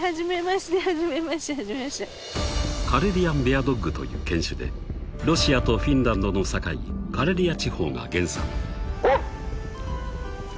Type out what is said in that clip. ［カレリアンベアドッグという犬種でロシアとフィンランドの境カレリア地方が原産］